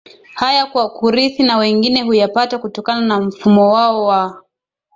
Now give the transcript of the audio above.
haya kwa kurithi na wengine huyapata kutokana na mfumo wao wa